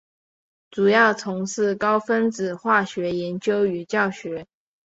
主要从事高分子化学研究与教学。